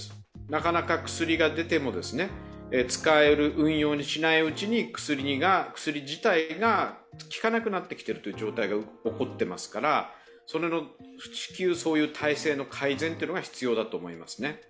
なかなか薬が出ても使える運用にしないうちに薬自体が効かなくなってきているという状態が起こっていますから至急、そういう体制の改善が必要だと思います。